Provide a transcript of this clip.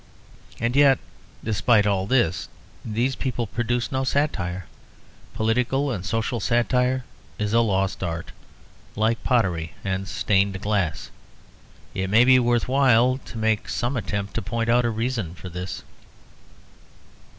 And yet, despite all this, these people produce no satire. Political and social satire is a lost art, like pottery and stained glass. It may be worth while to make some attempt to point out a reason for this.